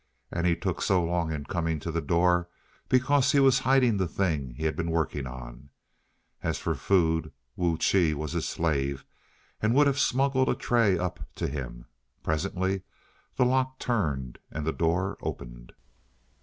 And he took so long in coming to the door because he was hiding the thing he had been working on. As for food, Wu Chi was his slave and would have smuggled a tray up to him. Presently the lock turned and the door opened.